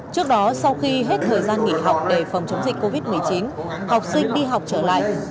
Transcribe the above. trước đó sau khi hết thời gian nghỉ học để phòng chống dịch covid một mươi chín học sinh đi học trở lại